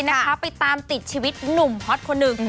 นะคะไปตามติดชีวิตหนุ่มฮอตคนหนึ่ง